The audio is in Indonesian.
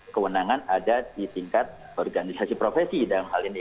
kewenangan ada di tingkat organisasi profesi dalam hal ini